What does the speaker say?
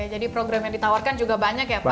jadi program yang ditawarkan juga banyak ya pak